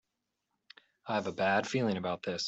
I have a bad feeling about this!